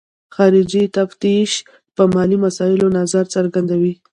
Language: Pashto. خارجي تفتیش په مالي مسایلو نظر څرګندوي.